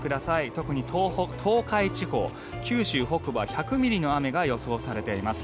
特に東北、東海地方、九州北部は１００ミリの雨が予想されています。